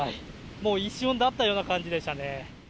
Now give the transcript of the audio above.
もう一瞬だったような感じでしたね。